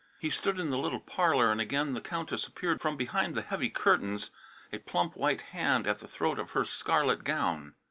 He stood in the little parlour and again the Countess appeared from behind the heavy curtains, a plump white hand at the throat of her scarlet gown.